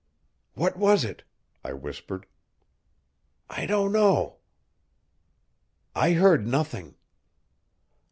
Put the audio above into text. "What was it?" I whispered. "I don't know." "I heard nothing."